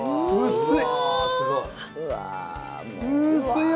薄い！